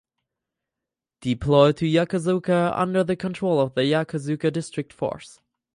Deployed to Yokosuka under the control of the Yokosuka District Force.